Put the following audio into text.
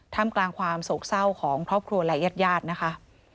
กลางกลางความโศกเศร้าของครอบครัวและญาติญาตินะคะ